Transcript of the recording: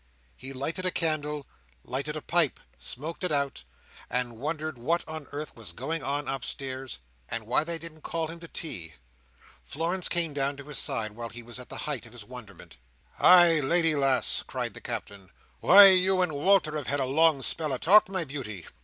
He lighted a candle, lighted a pipe, smoked it out, and wondered what on earth was going on upstairs, and why they didn't call him to tea. Florence came to his side while he was in the height of his wonderment. "Ay! lady lass!" cried the Captain. "Why, you and Wal"r have had a long spell o' talk, my beauty."